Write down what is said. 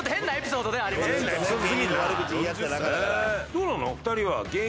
どうなの？